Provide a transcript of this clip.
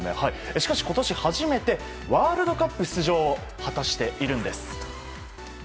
しかし今年初めてワールドカップ出場を果たしているんです。